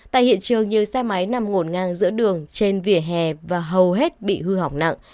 tại hiện trường nhiều xe máy nằm ngổn ngang giữa đường trên vỉa hè và hầu hết bị hư hỏng nặng